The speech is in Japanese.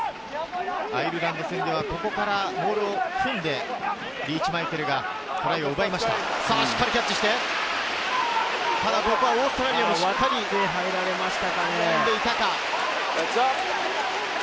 アイルランド戦ではここからモールを組んでリーチ・マイケルがトライを奪いました。